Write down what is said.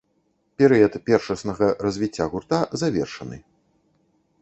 Перыяд першаснага развіцця гурта завершаны.